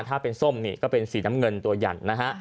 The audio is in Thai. ถ้าเป็นส้มนี่ก็เป็นสีน้ำเงินตัวยันนะฮะ